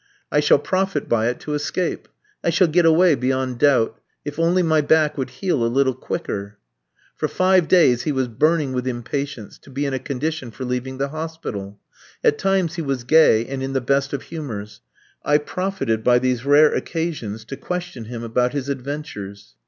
I shall profit by it to escape. I shall get away beyond doubt. If only my back would heal a little quicker!" For five days he was burning with impatience to be in a condition for leaving the hospital At times he was gay and in the best of humours. I profited by these rare occasions to question him about his adventures.